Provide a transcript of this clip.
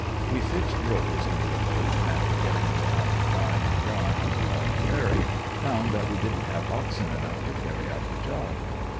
We fixed rollers under the boat and after getting her out high and dry on the ball prairie, found that we didn't have oxen enough to carry out the job.